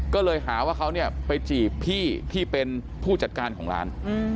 ก็เลยหาว่าเขาเนี่ยไปจีบพี่ที่เป็นผู้จัดการของร้าน